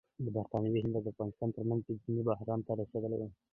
د برټانوي هند او افغانستان ترمنځ بدبیني بحران ته رسېدلې وه.